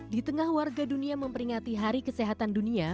di tengah warga dunia memperingati hari kesehatan dunia